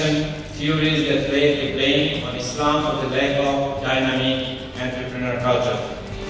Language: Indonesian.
yang telah menyebutkan islam sebagai lingkungan antarabangsa yang berdiametri